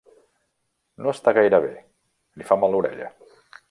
No està gaire bé: li fa mal l'orella.